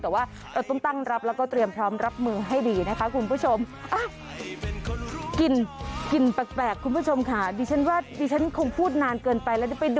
แต่ว่าต้องตั้งรับแล้วก็เตรียมพร้อมรับมือให้ดีนะคะคุณผู้ชม